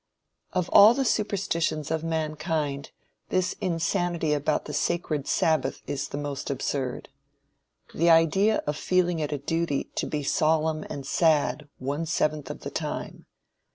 Of all the superstitions of mankind, this insanity about the "sacred sabbath" is the most absurd. The idea of feeling it a duty to be solemn and sad one seventh of the time!